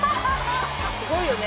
すごいよね。